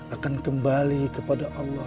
akan kembali kepada allah